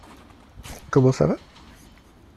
Comment ça va ?